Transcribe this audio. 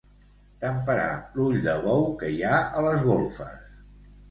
Temperar l'ull de bou que hi ha a les golfes.